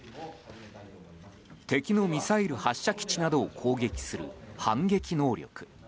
敵のミサイル発射基地などを攻撃する反撃能力。